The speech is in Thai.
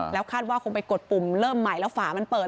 แล้วคาดว่าคงไปกดปุ่มเริ่มใหม่แล้วฝามันเปิด